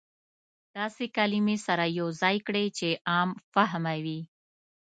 داسې کلمې سره يو ځاى کړى چې عام فهمه وي.